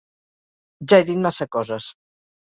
Ja he dit massa coses.